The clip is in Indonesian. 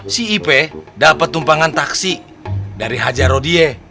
si ipe dapet tumpangan taksi dari haja rodie